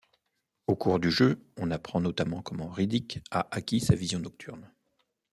Au cours du jeu, on apprend notamment comment Riddick a acquis sa vision nocturne.